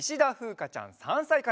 かちゃん３さいから。